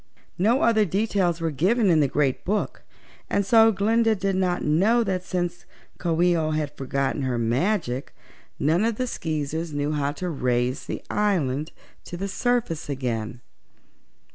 No other details were given in the Great Book and so Glinda did not know that since Coo ee oh had forgotten her magic none of the Skeezers knew how to raise the island to the surface again.